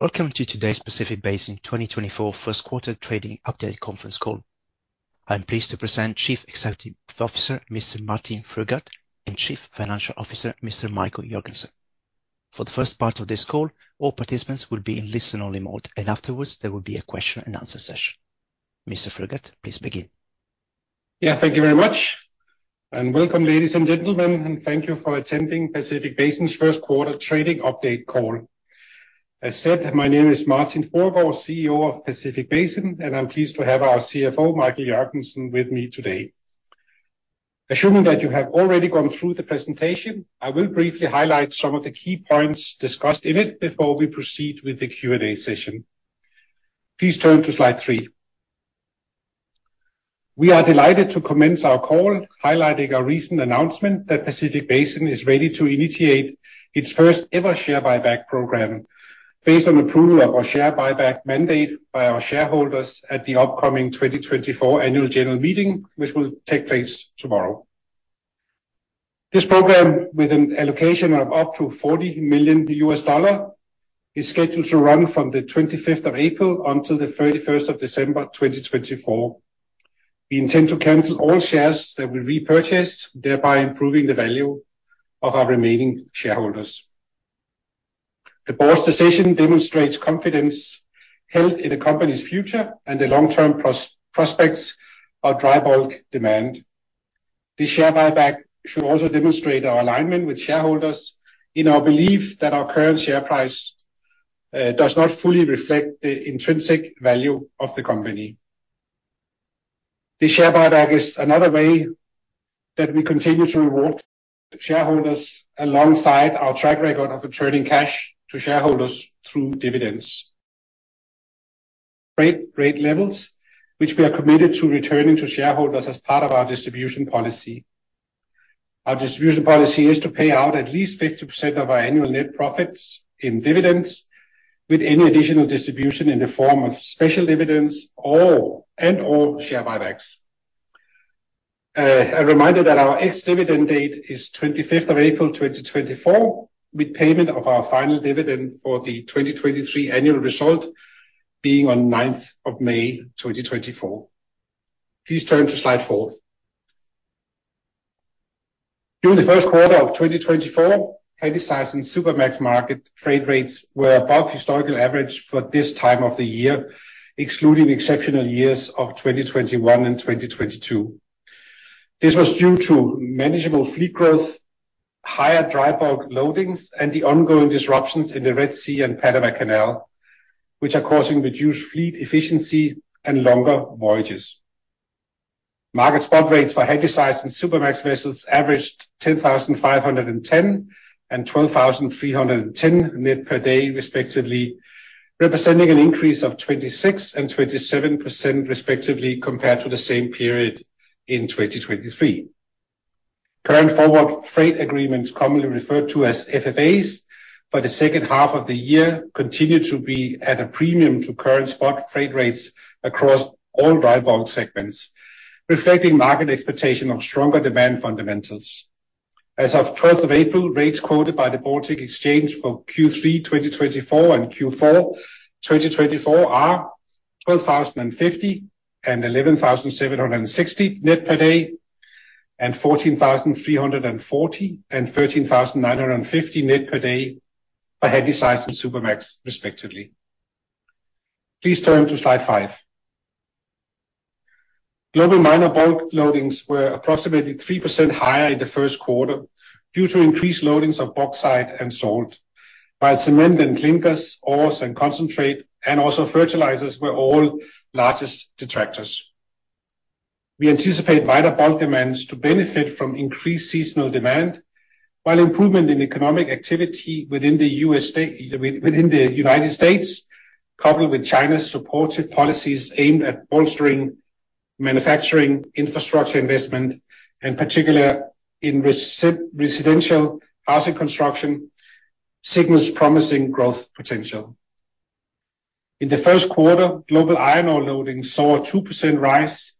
Welcome to today's Pacific Basin 2024 first-quarter trading update conference call. I'm pleased to present Chief Executive Officer Mr. Martin Fruergaard and Chief Financial Officer Mr. Michael Jørgensen. For the first part of this call, all participants will be in listen-only mode, and afterwards there will be a question-and-answer session. Mr. Fruergaard, please begin. Yeah, thank you very much. Welcome, ladies and gentlemen, and thank you for attending Pacific Basin's first-quarter trading update call. As said, my name is Martin Fruergaard, CEO of Pacific Basin, and I'm pleased to have our CFO, Michael Jørgensen, with me today. Assuming that you have already gone through the presentation, I will briefly highlight some of the key points discussed in it before we proceed with the Q&A session. Please turn to slide three. We are delighted to commence our call highlighting our recent announcement that Pacific Basin is ready to initiate its first-ever share buyback program based on approval of our share buyback mandate by our shareholders at the upcoming 2024 annual general meeting, which will take place tomorrow. This program, with an allocation of up to $40 million, is scheduled to run from the 25th of April until the 31st of December 2024. We intend to cancel all shares that we repurchased, thereby improving the value of our remaining shareholders. The board's decision demonstrates confidence held in the company's future and the long-term prospects of dry bulk demand. This share buyback should also demonstrate our alignment with shareholders in our belief that our current share price does not fully reflect the intrinsic value of the company. This share buyback is another way that we continue to reward shareholders alongside our track record of returning cash to shareholders through dividends rate levels, which we are committed to returning to shareholders as part of our distribution policy. Our distribution policy is to pay out at least 50% of our annual net profits in dividends with any additional distribution in the form of special dividends and/or share buybacks. A reminder that our ex-dividend date is 25th of April 2024, with payment of our final dividend for the 2023 annual result being on 9th of May 2024. Please turn to slide 4. During the first quarter of 2024, Handysize Supramax market freight rates were above historical average for this time of the year, excluding exceptional years of 2021 and 2022. This was due to manageable fleet growth, higher dry bulk loadings, and the ongoing disruptions in the Red Sea and Panama Canal, which are causing reduced fleet efficiency and longer voyages. Market spot rates for Handysize Supramax vessels averaged 10,510 and 12,310 net per day, respectively, representing an increase of 26% and 27%, respectively, compared to the same period in 2023. Current forward freight agreements, commonly referred to as FFAs, for the second half of the year continue to be at a premium to current spot freight rates across all dry bulk segments, reflecting market expectation of stronger demand fundamentals. As of 12th of April, rates quoted by the Baltic Exchange for Q3 2024 and Q4 2024 are 12,050 and 11,760 net per day, and 14,340 and 13,950 net per day for Handysize Supramax, respectively. Please turn to slide five. Global minor bulk loadings were approximately 3% higher in the first quarter due to increased loadings of bauxite and salt, while cement and clinker, ores and concentrate, and also fertilizers were all largest detractors. We anticipate minor bulk demands to benefit from increased seasonal demand while improvement in economic activity within the United States, coupled with China's supportive policies aimed at bolstering manufacturing infrastructure investment, and particularly in residential housing construction, signals promising growth potential. In the first quarter, global iron ore loadings saw a 2% rise,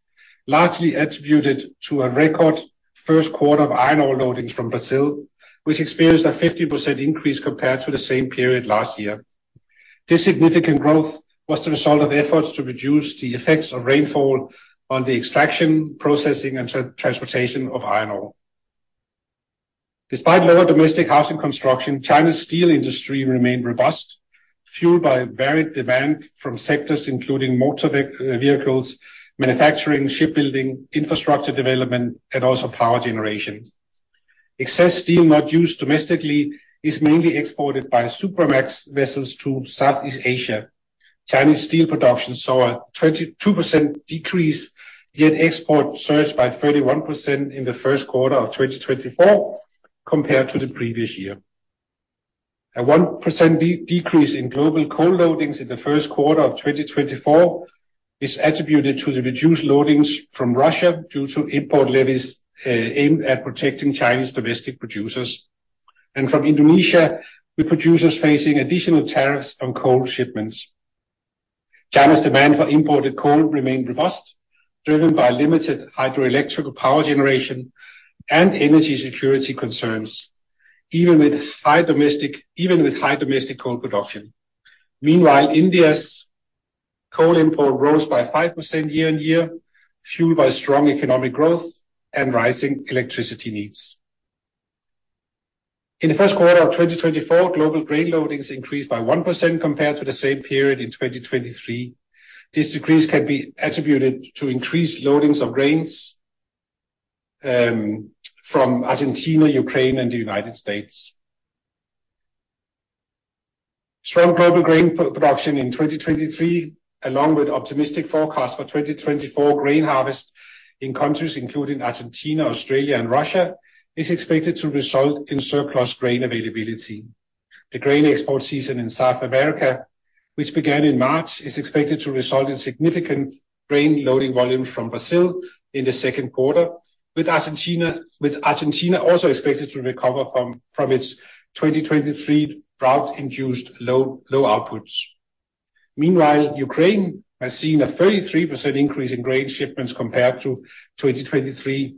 largely attributed to a record first quarter of iron ore loadings from Brazil, which experienced a 50% increase compared to the same period last year. This significant growth was the result of efforts to reduce the effects of rainfall on the extraction, processing, and transportation of iron ore. Despite lower domestic housing construction, China's steel industry remained robust, fueled by varied demand from sectors including motor vehicles, manufacturing, shipbuilding, infrastructure development, and also power generation. Excess steel not used domestically is mainly exported by Supramax vessels to Southeast Asia. Chinese steel production saw a 22% decrease, yet export surged by 31% in the first quarter of 2024 compared to the previous year. A 1% decrease in global coal loadings in the first quarter of 2024 is attributed to the reduced loadings from Russia due to import levies aimed at protecting Chinese domestic producers, and from Indonesia with producers facing additional tariffs on coal shipments. China's demand for imported coal remained robust, driven by limited hydroelectric power generation and energy security concerns, even with high domestic coal production. Meanwhile, India's coal import rose by 5% year-on-year, fueled by strong economic growth and rising electricity needs. In the first quarter of 2024, global grain loadings increased by 1% compared to the same period in 2023. This decrease can be attributed to increased loadings of grains from Argentina, Ukraine, and the United States. Strong global grain production in 2023, along with optimistic forecasts for 2024 grain harvest in countries including Argentina, Australia, and Russia, is expected to result in surplus grain availability. The grain export season in South America, which began in March, is expected to result in significant grain loading volume from Brazil in the second quarter, with Argentina also expected to recover from its 2023 drought-induced low outputs. Meanwhile, Ukraine has seen a 33% increase in grain shipments compared to 2023,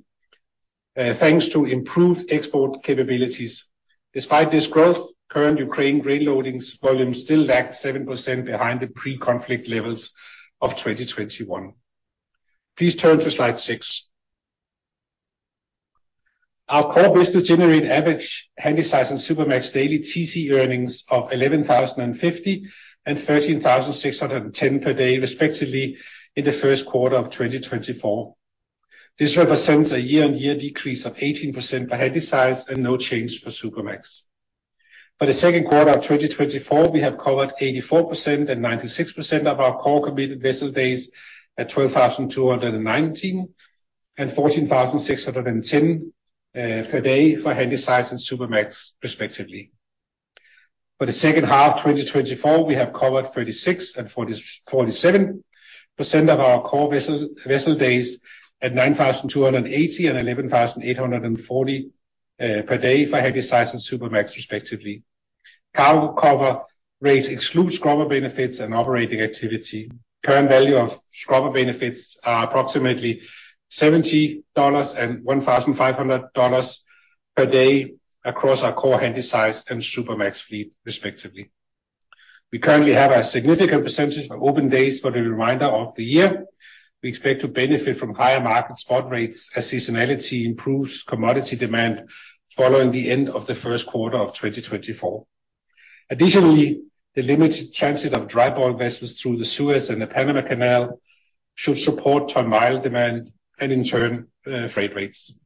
thanks to improved export capabilities. Despite this growth, current Ukraine grain loadings volume still lagged 7% behind the pre-conflict levels of 2021. Please turn to slide six. Our core business generated average Handysize Supramax daily TC earnings of $11,050 and $13,610 per day, respectively, in the first quarter of 2024. This represents a year-on-year decrease of 18% for Handysize and no change for Supramax. For the second quarter of 2024, we have covered 84% and 96% of our core committed vessel days at 12,219 and 14,610 per day for Handysize Supramax, respectively. For the second half of 2024, we have covered 36% and 47% of our core vessel days at 9,280 and 11,840 per day for Handysize Supramax, respectively. Cargo cover rates exclude scrubber benefits and operating activity. Current value of scrubber benefits are approximately $70 and $1,500 per day across our core Handysize and Supramax fleet, respectively. We currently have a significant percentage of open days for the remainder of the year. We expect to benefit from higher market spot rates as seasonality improves commodity demand following the end of the first quarter of 2024. Additionally, the limited transit of dry bulk vessels through the Suez Canal and the Panama Canal should support tonne-mile demand and, in turn, freight rates.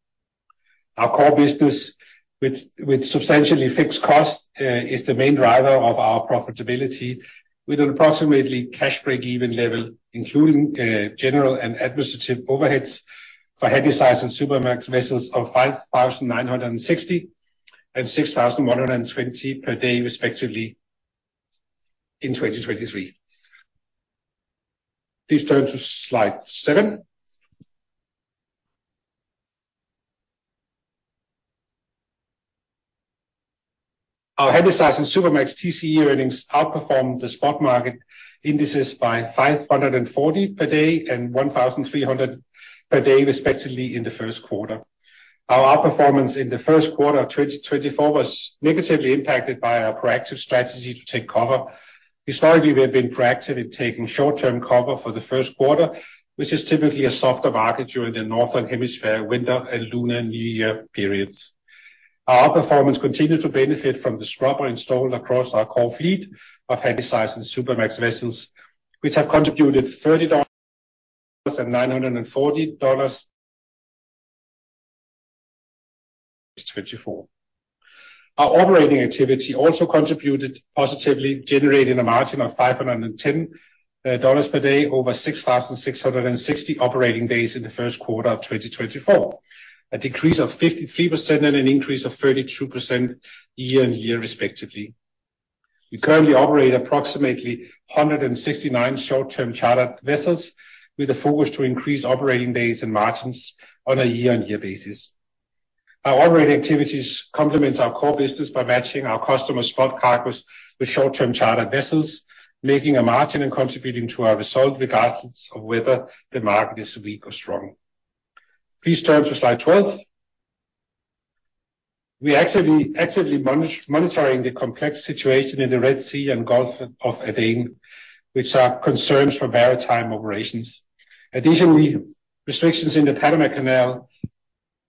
Our core business, with substantially fixed costs, is the main driver of our profitability, with an approximately cash break-even level, including general and administrative overheads, for Handysize Supramax vessels of 5,960 and 6,120 per day, respectively, in 2023. Please turn to slide seven. Our Handysize Supramax TC earnings outperformed the spot market indices by 540 per day and 1,300 per day, respectively, in the first quarter. Our outperformance in the first quarter of 2024 was negatively impacted by our proactive strategy to take cover. Historically, we have been proactive in taking short-term cover for the first quarter, which is typically a softer market during the Northern Hemisphere winter and Lunar New Year periods. Our outperformance continues to benefit from the scrubber installed across our core fleet of Handysize Supramax vessels, which have contributed $30 and $940 [in] 2024. Our operating activity also contributed positively, generating a margin of $510 per day over 6,660 operating days in the first quarter of 2024, a decrease of 53% and an increase of 32% year-over-year, respectively. We currently operate approximately 169 short-term chartered vessels, with a focus to increase operating days and margins on a year-over-year basis. Our operating activities complement our core business by matching our customers' spot cargoes with short-term chartered vessels, making a margin and contributing to our result regardless of whether the market is weak or strong. Please turn to slide 12. We are actively monitoring the complex situation in the Red Sea and Gulf of Aden, which are concerns for maritime operations. Additionally, restrictions in the Panama Canal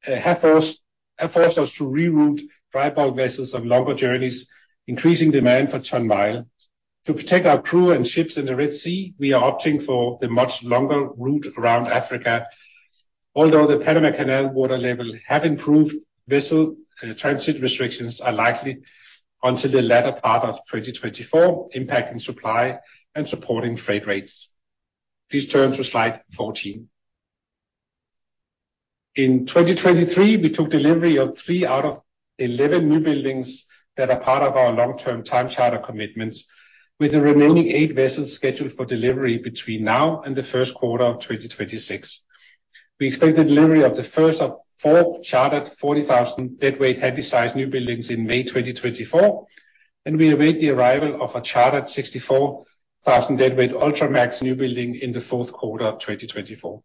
have forced us to reroute dry bulk vessels on longer journeys, increasing demand for tonne-mile. To protect our crew and ships in the Red Sea, we are opting for the much longer route around Africa. Although the Panama Canal water level has improved, vessel transit restrictions are likely until the latter part of 2024, impacting supply and supporting freight rates. Please turn to slide 14. In 2023, we took delivery of 3 out of 11 new buildings that are part of our long-term time charter commitments, with the remaining eight vessels scheduled for delivery between now and the first quarter of 2026. We expect the delivery of the first of 4 chartered 40,000 DWT Handysize new buildings in May 2024, and we await the arrival of a chartered 64,000 DWT Ultramax new building in the fourth quarter of 2024.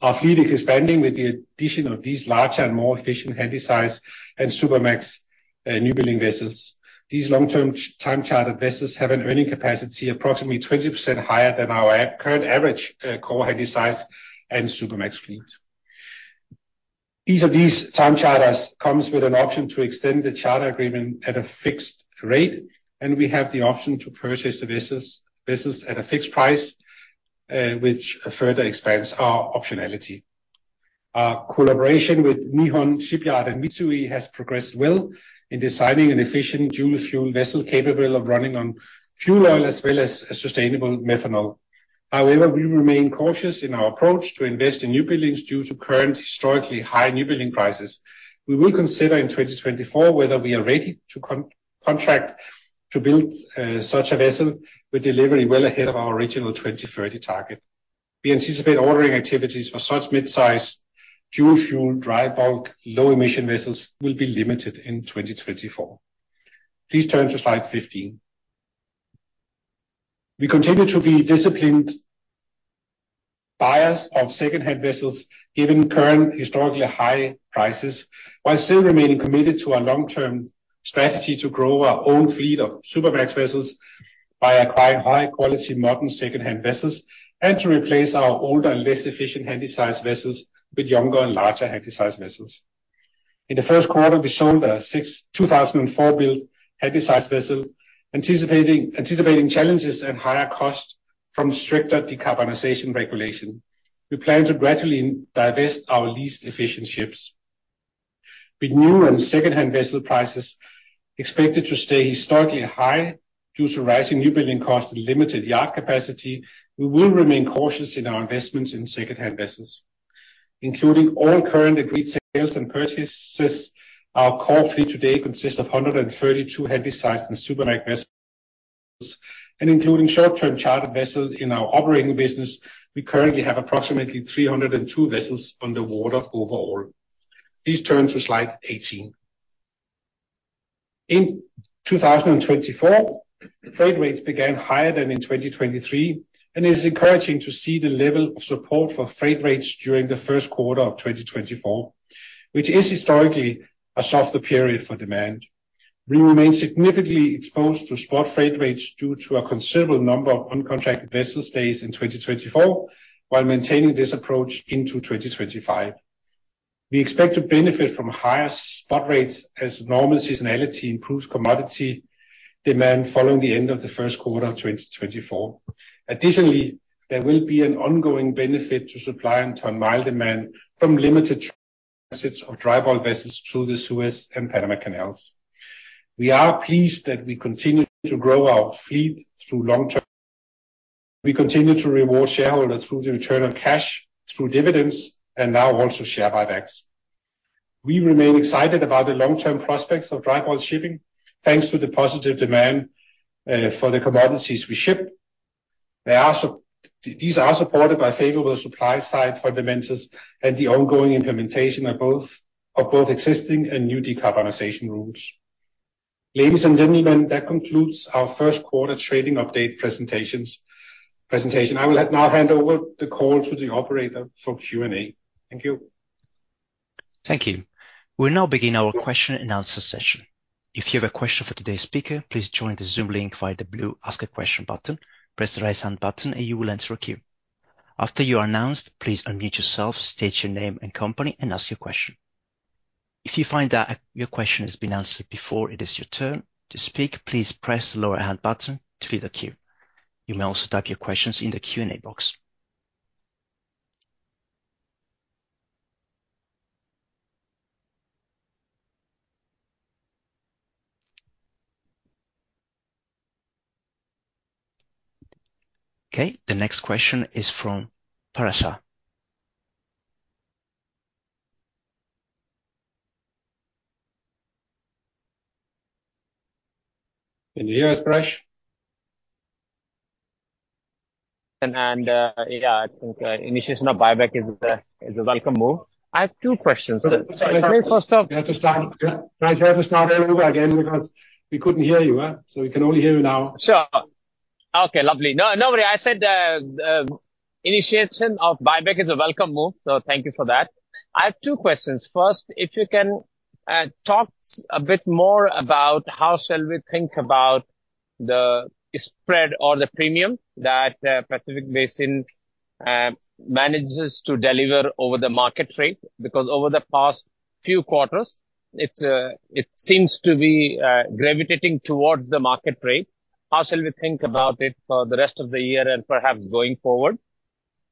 Our fleet is expanding with the addition of these larger and more efficient Handysize and Supramax new building vessels. These long-term time chartered vessels have an earning capacity approximately 20% higher than our current average core Handysize and Supramax fleet. Each of these time charters comes with an option to extend the charter agreement at a fixed rate, and we have the option to purchase the vessels at a fixed price, which further expands our optionality. Our collaboration with Nihon Shipyard and Mitsui has progressed well in designing an efficient dual-fuel vessel capable of running on fuel oil as well as sustainable methanol. However, we remain cautious in our approach to invest in new buildings due to current historically high new building prices. We will consider in 2024 whether we are ready to contract to build such a vessel with delivery well ahead of our original 2030 target. We anticipate ordering activities for such midsize dual-fuel dry bulk low-emission vessels will be limited in 2024. Please turn to slide 15. We continue to be disciplined buyers of secondhand vessels given current historically high prices, while still remaining committed to our long-term strategy to grow our own fleet of Supramax vessels by acquiring high-quality modern secondhand vessels and to replace our older and less efficient Handysize vessels with younger and larger Handysize vessels. In the first quarter, we sold a 2004-built Handysize vessel, anticipating challenges and higher costs from stricter decarbonization regulation. We plan to gradually divest our least efficient ships. With new and secondhand vessel prices expected to stay historically high due to rising new building costs and limited yard capacity, we will remain cautious in our investments in secondhand vessels, including all current agreed sales and purchases. Our core fleet today consists of 132 Handysize and Supramax vessels, and including short-term chartered vessels in our operating business, we currently have approximately 302 vessels underwater overall. Please turn to slide 18. In 2024, freight rates began higher than in 2023, and it is encouraging to see the level of support for freight rates during the first quarter of 2024, which is historically a softer period for demand. We remain significantly exposed to spot freight rates due to a considerable number of uncontracted vessels stays in 2024, while maintaining this approach into 2025. We expect to benefit from higher spot rates as normal seasonality improves commodity demand following the end of the first quarter of 2024. Additionally, there will be an ongoing benefit to supply and tonne-mile demand from limited transits of dry bulk vessels through the Suez Canal and Panama Canal. We are pleased that we continue to grow our fleet through long-term. We continue to reward shareholders through the return of cash, through dividends, and now also share buybacks. We remain excited about the long-term prospects of dry bulk shipping, thanks to the positive demand for the commodities we ship. These are supported by favorable supply side fundamentals and the ongoing implementation of both existing and new decarbonization rules. Ladies and gentlemen, that concludes our first quarter trading update presentation. I will now hand over the call to the operator for Q&A. Thank you. Thank you. We'll now begin our question and answer session. If you have a question for today's speaker, please join the Zoom link via the blue "Ask a Question" button, press the right-hand button, and you will enter a queue. After you are announced, please unmute yourself, state your name and company, and ask your question. If you find that your question has been answered before it is your turn to speak, please press the lower-hand button to leave the queue. You may also type your questions in the Q&A box. Okay. The next question is from Parash. Can you hear us, Parash? And yeah, I think initiating a buyback is a welcome move. I have two questions. Can I just start all over again because we couldn't hear you, so we can only hear you now? Sure. Okay. Lovely. No, no worries. I said initiation of buyback is a welcome move, so thank you for that. I have two questions. First, if you can talk a bit more about how shall we think about the spread or the premium that Pacific Basin manages to deliver over the market rate? Because over the past few quarters, it seems to be gravitating towards the market rate. How shall we think about it for the rest of the year and perhaps going forward?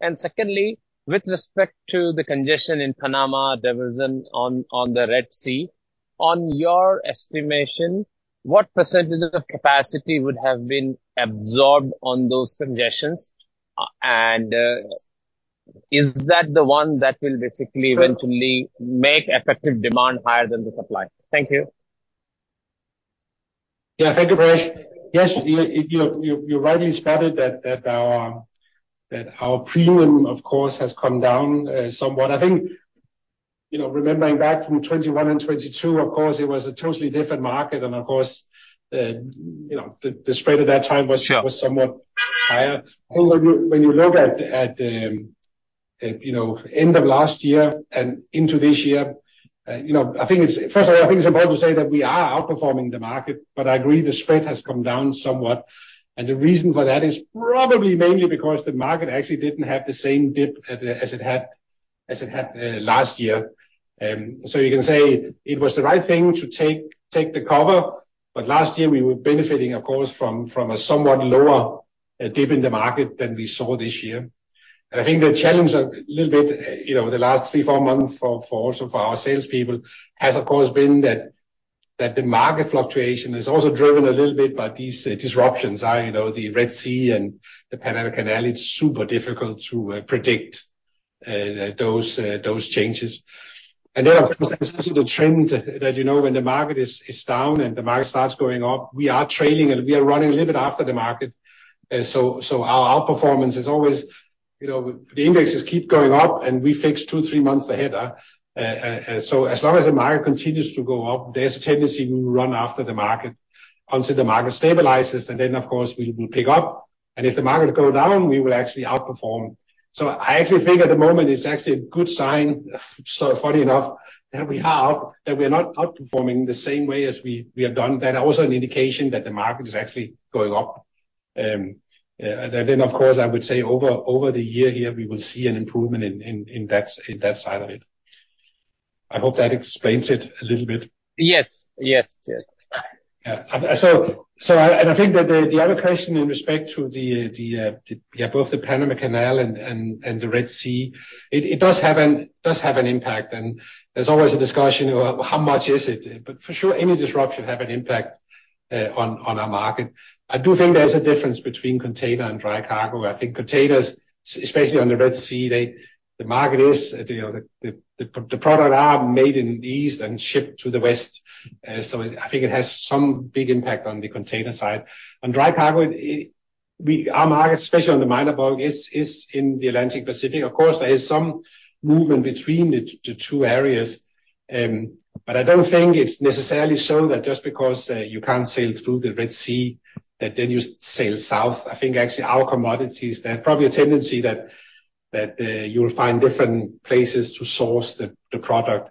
And secondly, with respect to the congestion in Panama, Gulf of Aden on the Red Sea, on your estimation, what percentage of capacity would have been absorbed on those congestions, and is that the one that will basically eventually make effective demand higher than the supply? Thank you. Yeah. Thank you, Parash. Yes, you've rightly spotted that our premium, of course, has come down somewhat. I think remembering back from 2021 and 2022, of course, it was a totally different market, and of course, the spread at that time was somewhat higher. I think when you look at the end of last year and into this year, I think it's first of all, I think it's important to say that we are outperforming the market, but I agree the spread has come down somewhat. And the reason for that is probably mainly because the market actually didn't have the same dip as it had last year. So you can say it was the right thing to take the cover, but last year, we were benefiting, of course, from a somewhat lower dip in the market than we saw this year. And I think the challenge a little bit the last three, four months for also for our salespeople has, of course, been that the market fluctuation is also driven a little bit by these disruptions, the Red Sea and the Panama Canal. It's super difficult to predict those changes. And then, of course, there's also the trend that when the market is down and the market starts going up, we are trailing and we are running a little bit after the market. So our outperformance is always the indexes keep going up, and we fix two, three months ahead. So as long as the market continues to go up, there's a tendency we will run after the market until the market stabilizes, and then, of course, we will pick up. And if the market goes down, we will actually outperform. So I actually think at the moment, it's actually a good sign, funny enough, that we are not outperforming the same way as we have done. That is also an indication that the market is actually going up. And then, of course, I would say over the year here, we will see an improvement in that side of it. I hope that explains it a little bit. Yes. Yes. Yes. Yeah. And I think that the other question in respect to, yeah, both the Panama Canal and the Red Sea, it does have an impact. And there's always a discussion of how much is it. But for sure, any disruption has an impact on our market. I do think there's a difference between container and dry cargo. I think containers, especially on the Red Sea, the market is the products are made in the East and shipped to the West. So I think it has some big impact on the container side. On dry cargo, our market, especially on the minor bulk, is in the Atlantic-Pacific. Of course, there is some movement between the two areas, but I don't think it's necessarily so that just because you can't sail through the Red Sea, that then you sail south. I think actually our commodities, there's probably a tendency that you'll find different places to source the product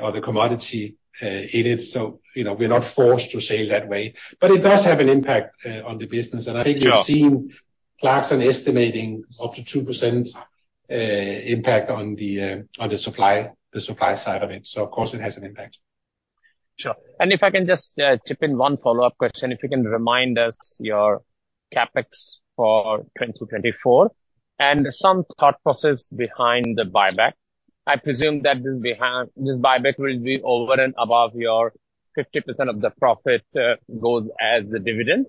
or the commodity in it. So we're not forced to sail that way. But it does have an impact on the business. And I think we've seen Clarkson estimating up to 2% impact on the supply side of it. So, of course, it has an impact. Sure. And if I can just chip in one follow-up question, if you can remind us your CapEx for 2024 and some thought process behind the buyback. I presume that this buyback will be over and above your 50% of the profit goes as the dividend.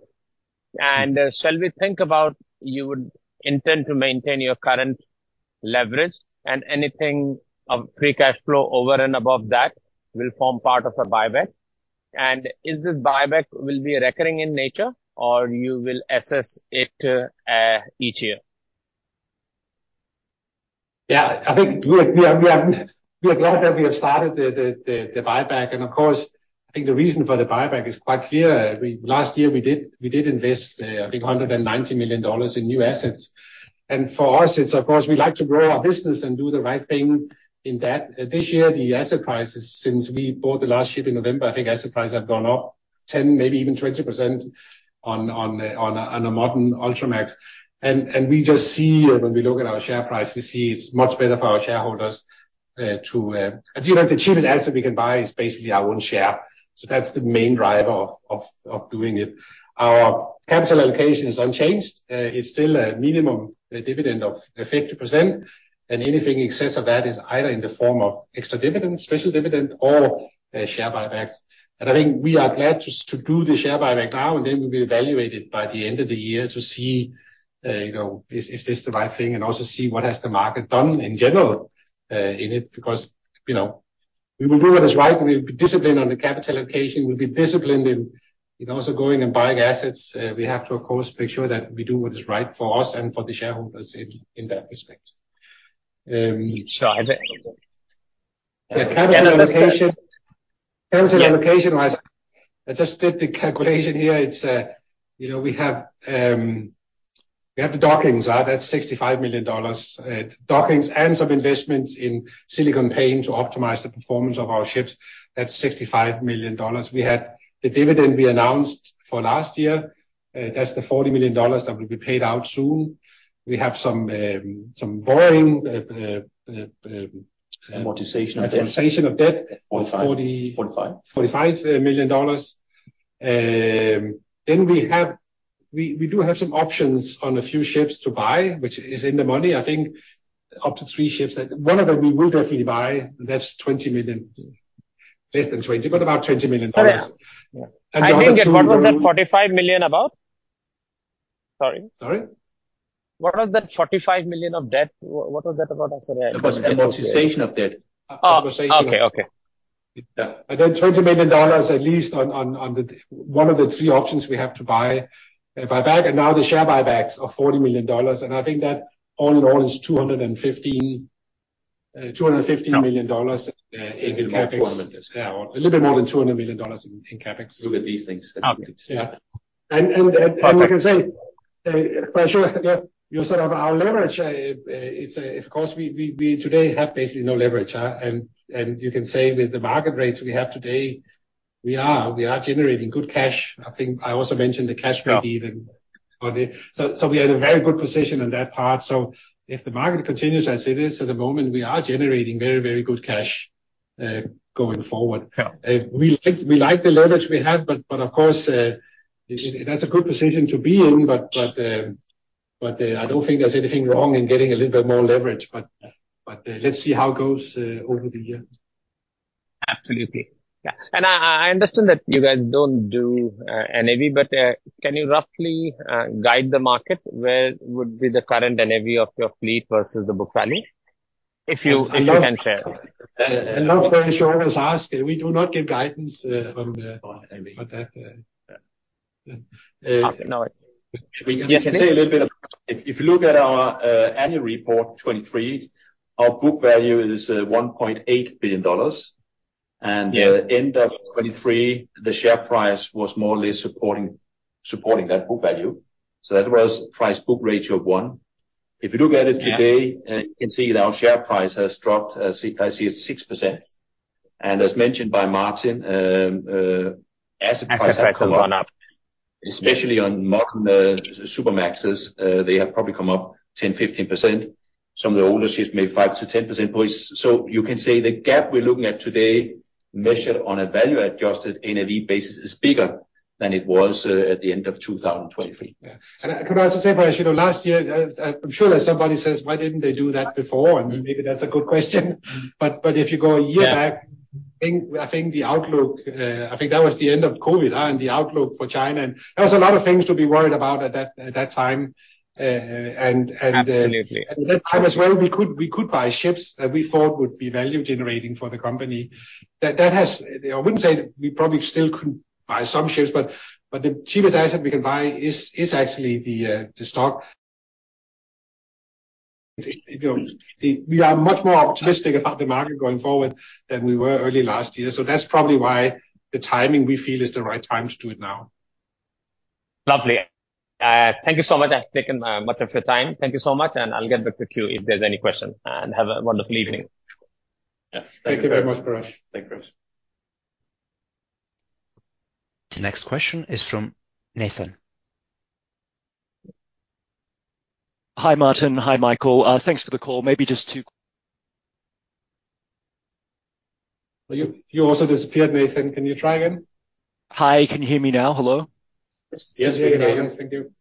And shall we think about you would intend to maintain your current leverage, and anything of free cash flow over and above that will form part of a buyback? Is this buyback will be recurring in nature, or you will assess it each year? Yeah. I think we are glad that we have started the buyback. Of course, I think the reason for the buyback i quite clear. Last year, we did invest, I think, $190 million in new assets. For us, it's, of course, we like to grow our business and do the right thing in that. This year, the asset prices, since we bought the last ship in November, I think asset prices have gone up 10%, maybe even 20% on a modern Ultramax. And we just see when we look at our share price, we see it's much better for our shareholders to the cheapest asset we can buy is basically our own share. So that's the main driver of doing it. Our capital allocation is unchanged. It's still a minimum dividend of 50%. And anything excess of that is either in the form of extra dividend, special dividend, or share buybacks. And I think we are glad to do the share buyback now, and then we will evaluate it by the end of the year to see if this is the right thing and also see what has the market done in general in it. Because we will do what is right. We'll be disciplined on the capital allocation. We'll be disciplined in also going and buying assets. We have to, of course, make sure that we do what is right for us and for the shareholders in that respect. Sure. Yeah. Capital allocation-wise, I just did the calculation here. We have the dockings. That's $65 million. Dockings and some investments in silicone paint to optimize the performance of our ships. That's $65 million. We had the dividend we announced for last year. That's the $40 million that will be paid out soon. We have some borrowing amortization of debt, $45 million. Then we do have some options on a few ships to buy, which is in the money, I think, up to three ships. One of them we will definitely buy. That's $20 million. Less than $20 million, but about $20 million. And the other two I think that what was that $45 million about? Sorry? Sorry? What was that $45 million of debt? What was that about? I'm sorry. It was amortization of debt. Amortization. Oh, okay. Okay. Yeah. And then $20 million, at least, on one of the three options we have to buy back. And now the share buybacks are $40 million. And I think that all in all is $215 million in CapEx. CapEx. Yeah. A little bit more than $200 million in CapEx. Look at these things. Yeah. And you can say, yeah, you're sort of our leverage. Of course, we today have basically no leverage. And you can say with the market rates we have today, we are generating good cash. I think I also mentioned the cash rate even. So we are in a very good position on that part. So if the market continues as it is at the moment, we are generating very, very good cash going forward. We like the leverage we have, but of course, that's a good position to be in. But I don't think there's anything wrong in getting a little bit more leverage. But let's see how it goes over the year. Absolutely. Yeah. And I understand that you guys don't do NAV, but can you roughly guide the market? Where would be the current NAV of your fleet versus the book value? If you can share. And not too worried, you always ask. We do not give guidance on that. No worries. You can say a little bit about if you look at our annual report 2023, our book value is $1.8 billion. End of 2023, the share price was more or less supporting that book value. So that was price-book ratio of one. If you look at it today, you can see that our share price has dropped. I see it's 6%. And as mentioned by Martin, asset prices have gone up. Asset prices have gone up. Especially on modern Supramax, they have probably come up 10%-15%. Some of the older ships, maybe 5-10 percentage points. So you can say the gap we're looking at today, measured on a value-adjusted NAV basis, is bigger than it was at the end of 2023. Yeah. And could I also say, Parash, last year, I'm sure that somebody says, "Why didn't they do that before?" And maybe that's a good question. But if you go a year back, I think the outlook that was the end of COVID and the outlook for China. And there was a lot of things to be worried about at that time. And at that time as well, we could buy ships that we thought would be value-generating for the company. I wouldn't say we probably still couldn't buy some ships, but the cheapest asset we can buy is actually the stock. We are much more optimistic about the market going forward than we were early last year. So that's probably why the timing we feel is the right time to do it now. Lovely. Thank you so much for taking much of your time. Thank you so much. And I'll get back to you if there's any question. And have a wonderful evening. Yeah. Thank you very much, Parash. Thanks, Parash. The next question is from Nathan. Hi, Martin. Hi, Michael. Thanks for the call. Maybe just two. You also disappeared, Nathan. Can you try again? Hi. Can you hear me now? Hello? Yes. We can hear you. Thank you.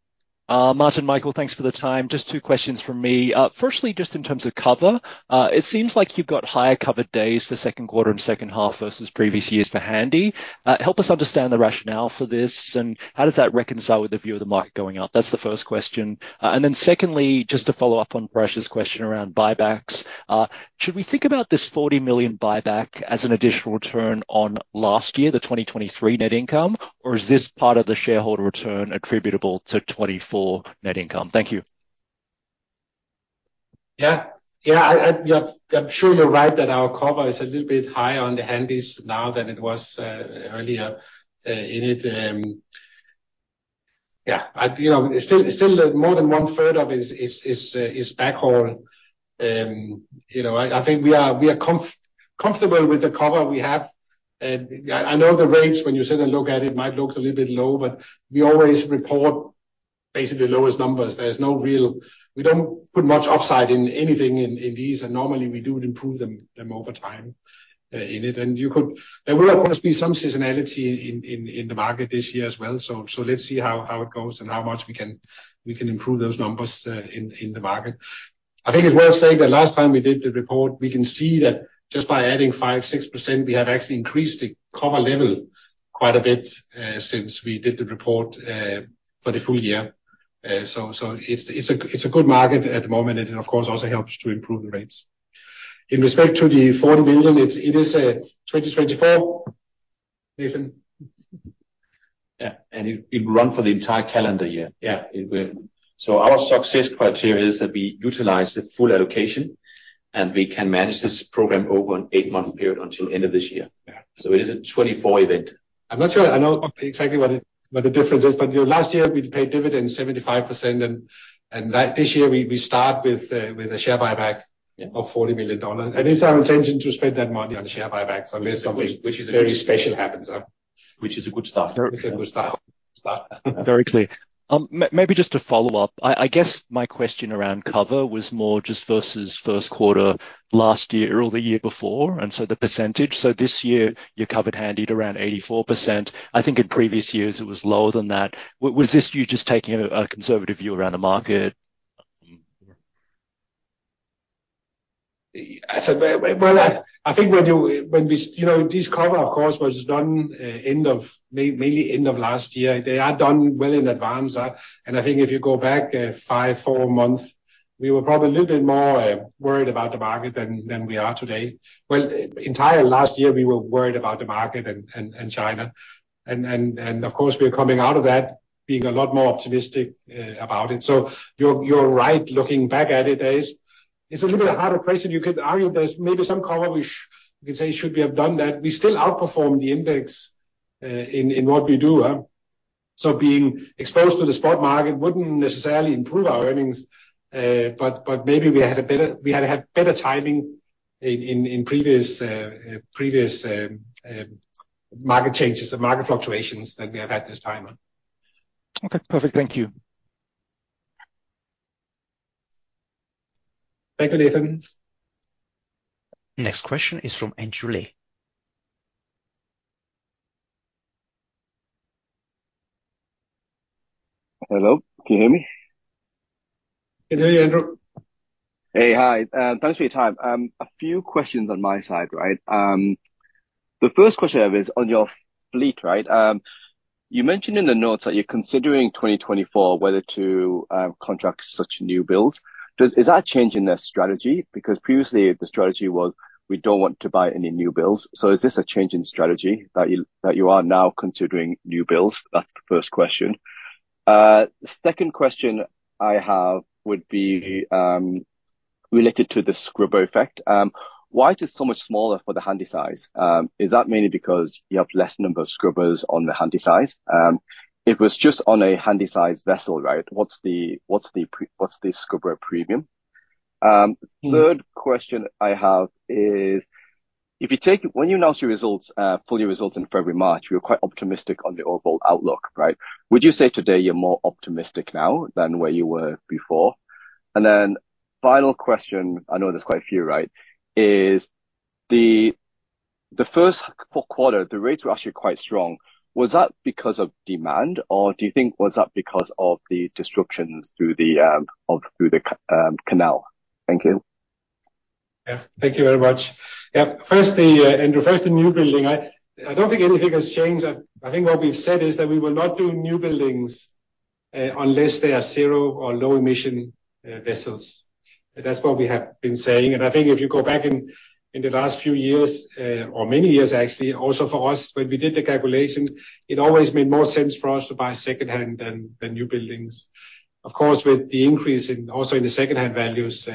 Martin, Michael, thanks for the time. Just two questions from me. Firstly, just in terms of cover, it seems like you've got higher covered days for second quarter and second half versus previous years for Handy. Help us understand the rationale for this, and how does that reconcile with the view of the market going up? That's the first question. And then secondly, just to follow up on Parash's question around buybacks, should we think about this $40 million buyback as an additional return on last year, the 2023 net income, or is this part of the shareholder return attributable to 2024 net income? Thank you. Yeah. Yeah. I'm sure you're right that our cover is a little bit higher on the Handys now than it was earlier in it. Yeah. Still, more than one-third of it is backhaul. I think we are comfortable with the cover we have. I know the rates, when you sit and look at it, might look a little bit low, but we always report basically the lowest numbers. There's no real we don't put much upside in anything in these, and normally, we do improve them over time in it. And there will, of course, be some seasonality in the market this year as well. So let's see how it goes and how much we can improve those numbers in the market. I think it's worth saying that last time we did the report, we can see that just by adding 5%-6%, we have actually increased the cover level quite a bit since we did the report for the full year. So it's a good market at the moment, and it, of course, also helps to improve the rates. In respect to the $40 million, it is 2024, Nathan? Yeah. And it will run for the entire calendar year. So our success criteria is that we utilize the full allocation, and we can manage this program over an eight-month period until the end of this year. So it is a 2024 event. I'm not sure I know exactly what the difference is, but last year, we paid dividends 75%, and this year, we start with a share buyback of $40 million. It's our intention to spend that money on share buybacks unless something very special happens. Which is a good start. It's a good start. Very clear. Maybe just to follow up, I guess my question around cover was more just versus first quarter last year or the year before, and so the percentage. So this year, you covered Handy at around 84%. I think in previous years, it was lower than that. Was this you just taking a conservative view around the market? I think when we this cover, of course, was done mainly end of last year. They are done well in advance. I think if you go back five, four months, we were probably a little bit more worried about the market than we are today. Well, entire last year, we were worried about the market and China. And of course, we are coming out of that being a lot more optimistic about it. You're right looking back at it. It's a little bit harder question. You could argue there's maybe some cover we can say should we have done that. We still outperform the index in what we do. So being exposed to the spot market wouldn't necessarily improve our earnings, but maybe we had to have better timing in previous market changes and market fluctuations than we have had this time. Okay. Perfect. Thank you. Thank you, Nathan. Next question is from Andrew Lee. Hello. Can you hear me? Can you hear me, Andrew? Hey. Hi. Thanks for your time. A few questions on my side, right? The first question I have is on your fleet, right? You mentioned in the notes that you're considering 2024, whether to contract such new builds. Is that a change in the strategy? Because previously, the strategy was, "We don't want to buy any new builds." So is this a change in strategy that you are now considering new builds? That's the first question. The second question I have would be related to the scrubber effect. Why is it so much smaller for the Handysize? Is that mainly because you have less number of scrubbers on the Handysize? If it was just on a Handysize vessel, right, what's the scrubber premium? Third question I have is, when you announced your results, full year results in February, March, you were quite optimistic on the overall outlook, right? Would you say today you're more optimistic now than where you were before? And then final question, I know there's quite a few, right, is the first four quarters, the rates were actually quite strong. Was that because of demand, or do you think was that because of the disruptions through the canal? Thank you. Yeah. Thank you very much. Yeah. Andrew, first, the new building, I don't think anything has changed. I think what we've said is that we will not do new buildings unless they are zero or low-emission vessels. That's what we have been saying. I think if you go back in the last few years or many years, actually, also for us, when we did the calculation, it always made more sense for us to buy secondhand than new buildings. Of course, with the increase also in the secondhand values,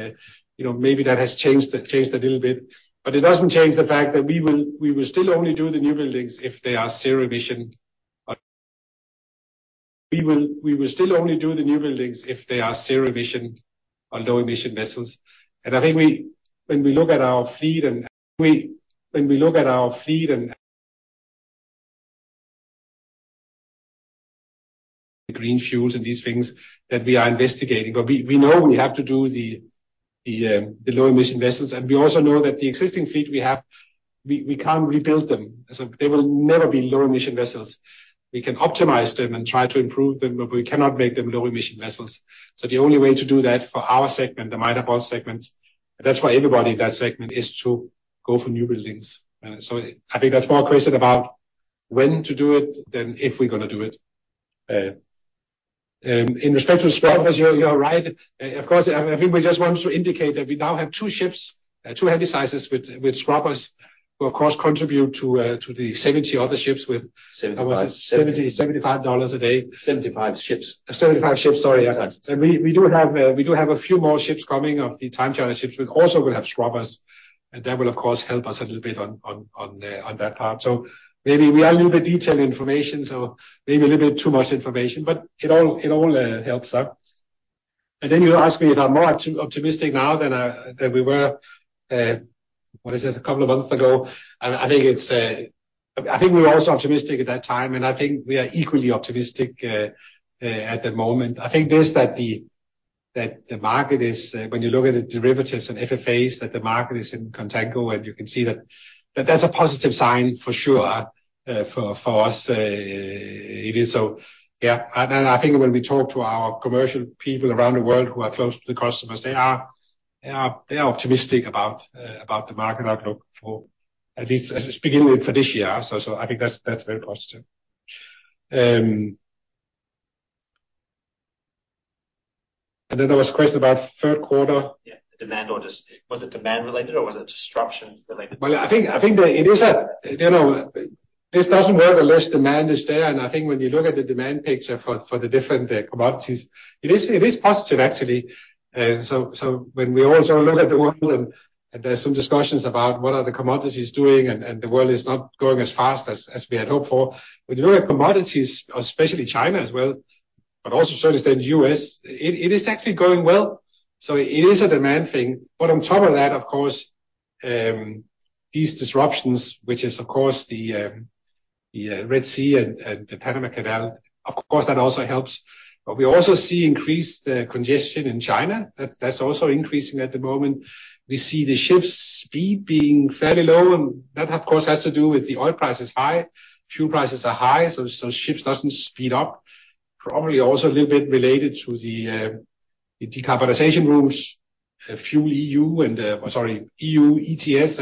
maybe that has changed a little bit. But it doesn't change the fact that we will still only do the new buildings if they are zero-emission. We will still only do the new buildings if they are zero-emission or low-emission vessels. And I think when we look at our fleet and when we look at our fleet and green fuels and these things that we are investigating, but we know we have to do the low-emission vessels. And we also know that the existing fleet we have, we can't rebuild them. So they will never be low-emission vessels. We can optimize them and try to improve them, but we cannot make them low-emission vessels. So the only way to do that for our segment, the minor bulk segment, and that's for everybody in that segment, is to go for new buildings. So I think that's more a question about when to do it than if we're going to do it. In respect to scrubbers, you're right. Of course, I think we just want to indicate that we now have two ships, two Handysize with scrubbers who, of course, contribute to the 70 other ships with $75 a day. 75 ships. 75 ships. Sorry. Yeah. And we do have a few more ships coming off the time charter ships which also will have scrubbers. And that will, of course, help us a little bit on that part. So maybe we are a little bit detailed information, so maybe a little bit too much information, but it all helps. And then you asked me if I'm more optimistic now than we were, what is it, a couple of months ago. I think we were also optimistic at that time, and I think we are equally optimistic at the moment. I think that the market is, when you look at the derivatives and FFAs, in contango and you can see that that's a positive sign for sure for us. It is. So yeah. And I think when we talk to our commercial people around the world who are close to the customers, they are optimistic about the market outlook for at least the beginning of this year. So I think that's very positive. And then there was a question about third quarter. Yeah. The demand orders. Was it demand-related, or was it disruption-related? Well, I think it is a this doesn't work unless demand is there. And I think when you look at the demand picture for the different commodities, it is positive, actually. So when we also look at the world and there's some discussions about what are the commodities doing and the world is not going as fast as we had hoped for, when you look at commodities, especially China as well, but also to a certain extent, the U.S., it is actually going well. So it is a demand thing. But on top of that, of course, these disruptions, which is, of course, the Red Sea and the Panama Canal, of course, that also helps. But we also see increased congestion in China. That's also increasing at the moment. We see the ship's speed being fairly low, and that, of course, has to do with the oil price is high, fuel prices are high, so ships doesn't speed up, probably also a little bit related to the decarbonization rules, fuel EU and sorry, EU ETS,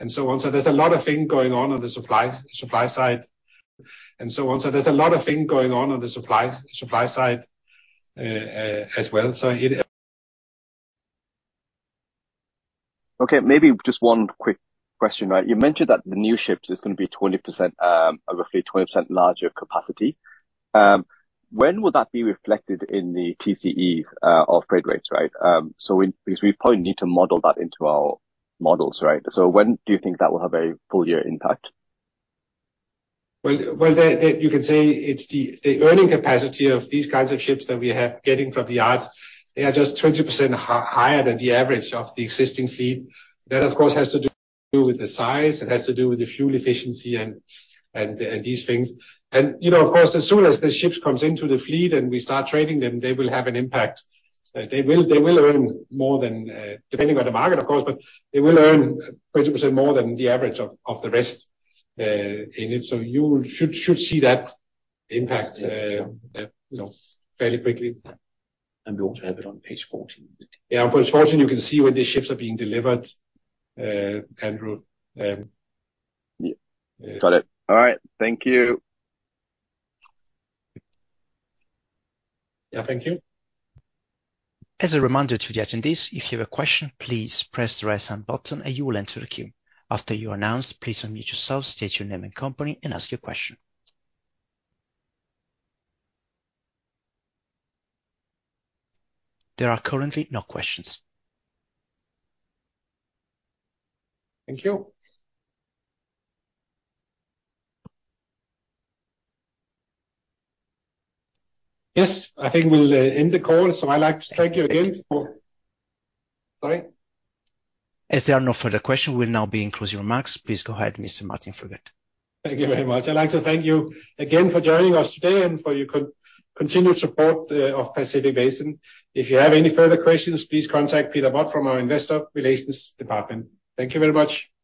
and so on. So there's a lot of things going on on the supply side and so on. So there's a lot of things going on on the supply side as well. So it's okay. Maybe just one quick question, right? You mentioned that the new ships is going to be roughly 20% larger capacity. When will that be reflected in the TCE of freight rates, right? Because we probably need to model that into our models, right? So when do you think that will have a full-year impact? Well, you can say it's the earning capacity of these kinds of ships that we have getting from the yards. They are just 20% higher than the average of the existing fleet. That, of course, has to do with the size. It has to do with the fuel efficiency and these things. And of course, as soon as the ships come into the fleet and we start trading them, they will have an impact. They will earn more than depending on the market, of course, but they will earn 20% more than the average of the rest in it. So you should see that impact fairly quickly. And we also have it on page 14. Yeah. On page 14, you can see when the ships are being delivered, Andrew. Yeah. Got it. All right. Thank you. Yeah. Thank you. As a reminder to the attendees, if you have a question, please press the right-side button, and you will enter the queue. After you are announced, please unmute yourself, state your name and company, and ask your question. There are currently no questions. Thank you. Yes. I think we'll end the call. So I'd like to thank you again for—sorry? As there are no further questions, we will now be closing remarks. Please go ahead, Mr. Martin Fruergaard. Thank you very much. I'd like to thank you again for joining us today and for your continued support of Pacific Basin. If you have any further questions, please contact Peter Budd from our investor relations department. Thank you very much.